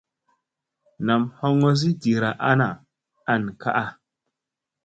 Nam hoŋozi dira ana an kaʼa.